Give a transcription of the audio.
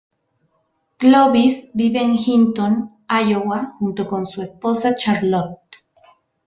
Clovis vive en Hinton, Iowa, junto con su esposa Charlotte.